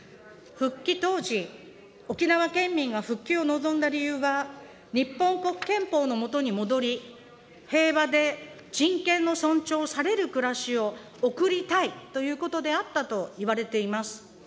復帰当時、沖縄県民が復帰を望んだ理由は、日本国憲法のもとに戻り、平和で人権の尊重される暮らしを送りたいということであったといわれています。